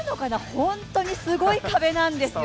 本当にすごい壁なんですよ。